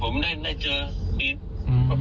ก็มานั่งกินอะไรแต่ไม่ได้มีความสนุมบัติ